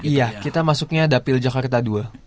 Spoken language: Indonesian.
iya kita masuknya dapil jakarta ii